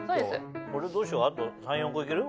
俺どうしようあと３４個いける？